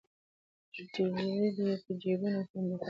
تجرۍ دي که جېبونه صندوقونه